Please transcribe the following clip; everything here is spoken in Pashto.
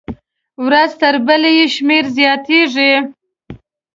ورځ تر بلې یې شمېر زیاتېږي.